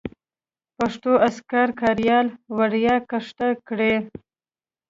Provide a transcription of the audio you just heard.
پښتو اذکار کاریال وړیا کښته کړئ.